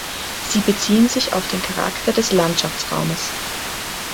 Sie beziehen sich auf den Charakter des Landschaftsraumes.